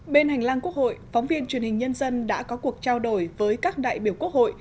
bên hành lang quốc hội phóng viên truyền hình nhân dân đã có cuộc trao đổi với các đại biểu quốc hội